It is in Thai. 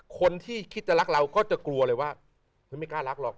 คนที่คิดจะรักเราก็จะกลัวเลยว่าไม่กล้ารักหรอก